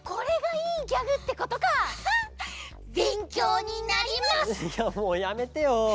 いやもうやめてよ。